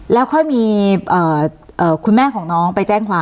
แล้วค่อยมีคุณแม่ของน้องไปแจ้งความ